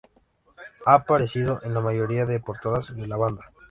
Ha aparecido en la mayoría de portadas de la banda.